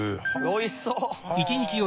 おいしそう！